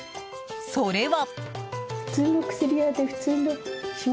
それは。